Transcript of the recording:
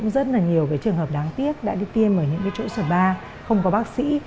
rất là nhiều cái trường hợp đáng tiếc đã đi tiêm ở những cái chỗ spa không có bác sĩ